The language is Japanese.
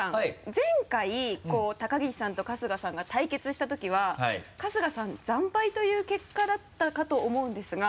前回高岸さんと春日さんが対決したときは春日さん惨敗という結果だったかと思うんですが。